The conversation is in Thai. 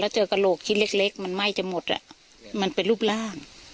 แล้วเจอกระโหลกที่เล็กเล็กมันไหม้จะหมดอ่ะมันเป็นรูปร่าง